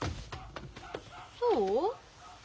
そう？